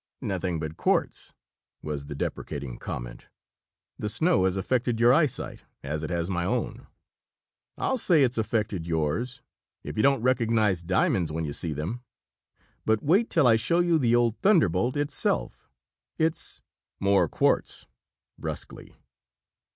"Nothing but quartz!" was the deprecating comment. "The snow has affected your eyesight, as it has my own." "I'll say it's affected yours, if you don't recognize diamonds when you see them. But wait till I show you the old Thunderbolt itself! It's " "More quartz!" brusquely.